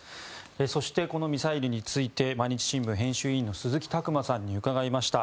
そして、このミサイルについて毎日新聞編集委員の鈴木琢磨さんに伺いました。